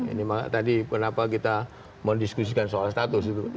ini tadi kenapa kita mendiskusikan soal status itu